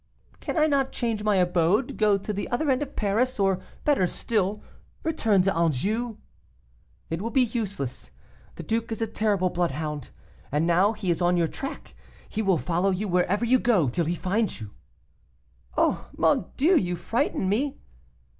'Can I not change my abode go to the other end of Paris, or, better still, return to Anjou?' 'It will be useless; the duke is a terrible bloodhound, and now he is on your track, he will follow you wherever you go till he finds you.' 'Oh! mon Dieu! you frighten me.